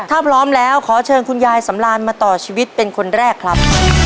ถ้าพร้อมแล้วขอเชิญคุณยายสำราญมาต่อชีวิตเป็นคนแรกครับ